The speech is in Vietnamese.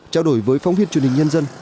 trao đổi với phóng viên truyền hình nhân dân